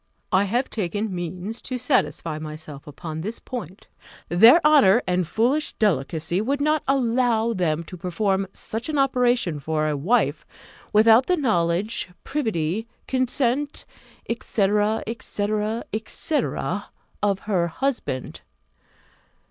I have taken means to satisfy myself on this point: their honour and foolish delicacy would not allow them to perform such an operation for a wife, without the knowledge, privity, consent, &c. &c. &c. of her husband.